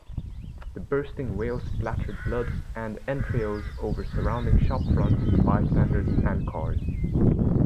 The bursting whale splattered blood and entrails over surrounding shop fronts, bystanders, and cars.